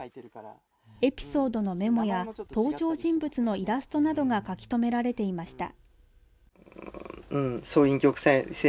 エピソードのメモや登場人物のイラストなどが書き留められていました